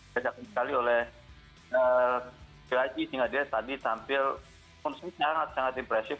kejap sekali oleh jiraji sehingga dia tadi tampil sangat sangat impresif